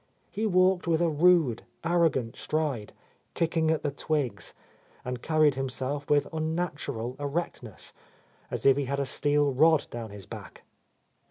He walked with a rude, arrogant stride, kicking at the twigs, and carried himself with unnatural erectness, as if he had a steel rod down his back.